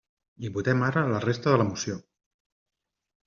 I votem ara la resta de la moció.